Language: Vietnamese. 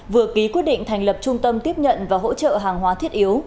vừa ký quyết định thành lập trung tâm tiếp nhận và hỗ trợ hàng hóa thiết yếu